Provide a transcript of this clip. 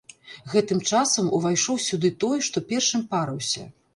Гэтым часам увайшоў сюды той, што першым парыўся.